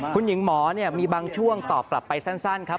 คุณหญิงหมอมีบางช่วงตอบกลับไปสั้นครับ